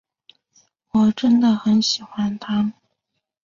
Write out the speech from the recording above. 我真的很喜欢他。